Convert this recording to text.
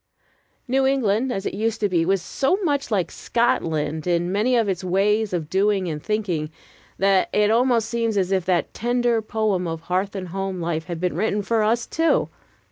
New England as it used to be was so much like Scotland in many of its ways of doing and thinking, that it almost seems as if that tender poem of hearth and home life had been written for us too.